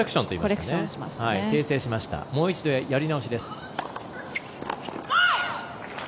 もう一度やり直しです。